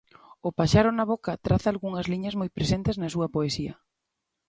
O paxaro na boca traza algunhas liñas moi presentes na súa poesía.